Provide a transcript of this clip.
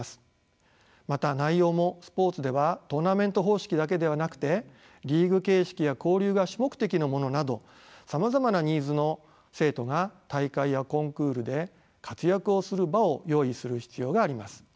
また内容もスポーツではトーナメント方式だけではなくてリーグ形式や交流が主目的のものなどさまざまなニーズの生徒が大会やコンクールで活躍をする場を用意する必要があります。